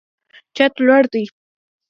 چت لوړ دی.